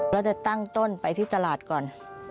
เราจะตั้งต้นไปที่ตลาดก่อน